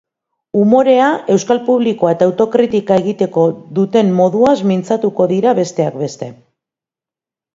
Umorea, euskal publikoa eta autokritika egiteko dutenmoduaz mintzatuko dira, besteak beste.